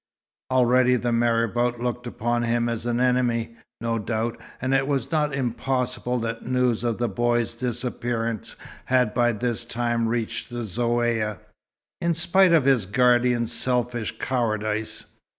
Already the marabout looked upon him as an enemy, no doubt; and it was not impossible that news of the boy's disappearance had by this time reached the Zaouïa, in spite of his guardian's selfish cowardice.